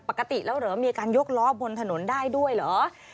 ปกติแล้วเหรอมีการยกล้อบนถนนได้ด้วยเหรอ